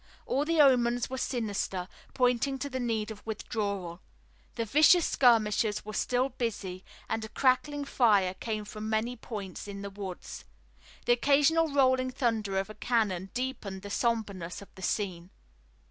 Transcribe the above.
All the omens were sinister, pointing to the need of withdrawal. The vicious skirmishers were still busy and a crackling fire came from many points in the woods. The occasional rolling thunder of a cannon deepened the somberness of the scene.